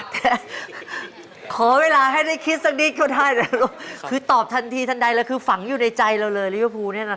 แต่ขอเวลาให้ได้คิดสักนิดคือตอบทันทีทันใดแล้วคือฝังอยู่ในใจเราเลยลิเวอร์ฟูเนี่ยนะครับ